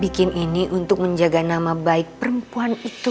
bikin ini untuk menjaga nama baik perempuan itu